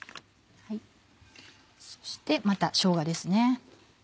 そしてまたしょうがですね。